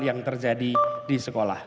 yang terjadi di sekolah